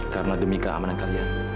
karena demi keamanan kalian